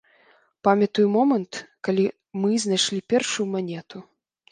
Памятаю момант, калі мы знайшлі першую манету.